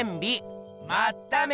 まっため。